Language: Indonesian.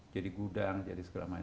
jadi gudang jadi segala macam